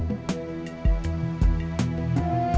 cep katanya mau ketemu kang